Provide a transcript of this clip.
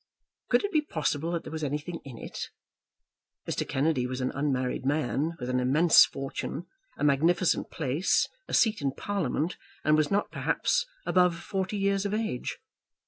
Could it be possible that there was anything in it? Mr. Kennedy was an unmarried man, with an immense fortune, a magnificent place, a seat in Parliament, and was not perhaps above forty years of age.